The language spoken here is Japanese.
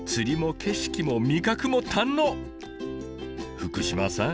福島さん